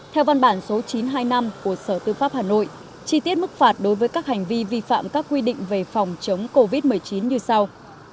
theo văn bản số chín trăm hai mươi năm của sở tư pháp hà nội chi tiết mức phạt đối với các hành vi vi phạm các quy định về phòng chống covid một mươi chín như sau